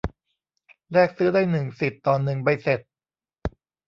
แลกซื้อได้หนึ่งสิทธิ์ต่อหนึ่งใบเสร็จ